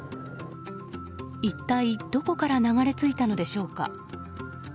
一体どこから流れ着いたのでしょうか。